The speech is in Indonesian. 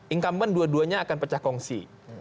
income an dua duanya akan pecah kongsi